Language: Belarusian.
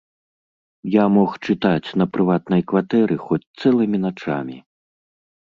Я мог чытаць на прыватнай кватэры хоць цэлымі начамі.